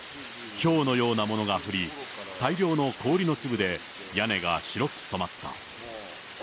ひょうのようなものが降り、大量の氷の粒で屋根が白く染まった。